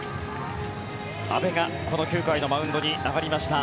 阿部がこの９回のマウンドに上がりました。